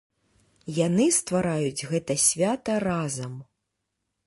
Яны ствараюць гэта свята разам.